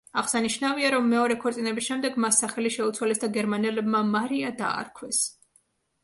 აღსანიშნავია, რომ მეორე ქორწინების შემდეგ მას სახელი შეუცვალეს და გერმანელებმა მარია დაარქვეს.